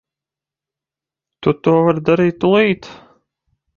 To tu vari darīt tūlīt.